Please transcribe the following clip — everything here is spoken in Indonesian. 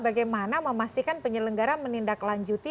bagaimana memastikan penyelenggara menindaklanjuti